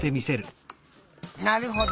なるほど。